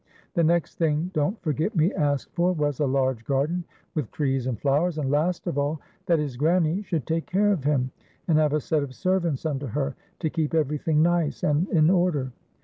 The next thing Don't Forget Me asked for was, a large garden, with trees and flowers ; and last of all, that his Grann\ should take care of him, and have a set of servants under her, to keep evcr) thing nice, and in order.